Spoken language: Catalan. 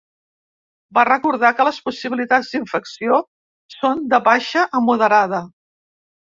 Va recordar que les possibilitats d’infecció són ‘de baixa a moderada’.